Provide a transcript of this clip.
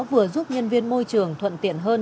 vừa giúp nhân viên môi trường thuận tiện hơn